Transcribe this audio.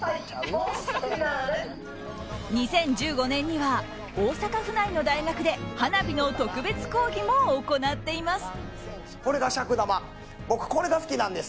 ２０１５年には大阪府内の大学で花火の特別講義も行っています。